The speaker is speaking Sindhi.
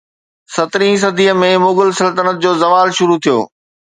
سترهين صديءَ ۾ مغل سلطنت جو زوال شروع ٿيو